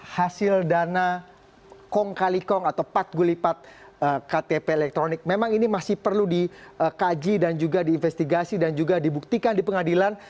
hasil dana kong kali kong atau pat gulipat ktp elektronik memang ini masih perlu dikaji dan juga diinvestigasi dan juga dibuktikan di pengadilan